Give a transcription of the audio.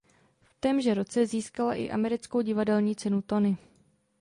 V témže roce získala i americkou divadelní cenu Tony.